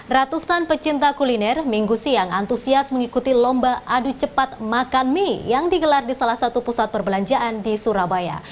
ratusan pecinta kuliner minggu siang antusias mengikuti lomba adu cepat makan mie yang digelar di salah satu pusat perbelanjaan di surabaya